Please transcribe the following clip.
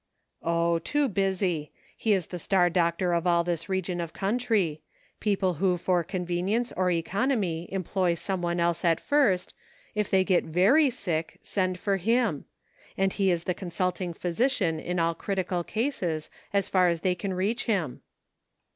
" Oh ! too busy ; he is the star doctor of all this region of country ; people who for convenience or economy employ some one else at first, if they get very sick send for him ; and he is the consulting physician in all critical cases, as far as they can reach him."